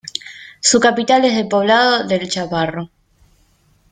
Su capital es el poblado de El Chaparro.